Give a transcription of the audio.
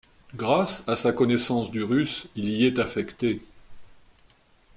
Grâce à sa connaissance du Russe, il y est affecté.